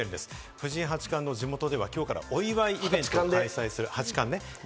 藤井八冠の地元ではきょうからお祝いイベントを開催する、あっ八冠ね。